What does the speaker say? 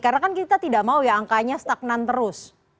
karena kan kita tidak mau ya angkanya stagnan terus